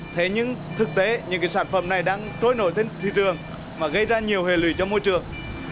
thế nhưng thực tế những sản phẩm này đang trôi nổi trên thị trường mà gây ra nhiều hệ lụy cho môi trường